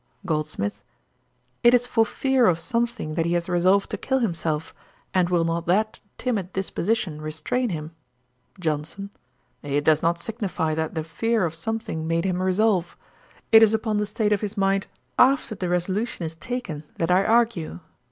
GOLDSMITH. 'It is for fear of something that he has resolved to kill himself; and will not that timid disposition restrain him?' JOHNSON. 'It does not signify that the fear of something made him resolve; it is upon the state of his mind, after the resolution is taken, that I argue.